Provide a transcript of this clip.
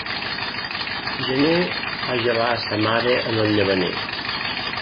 Gener va gelar a sa mare en el llavaner.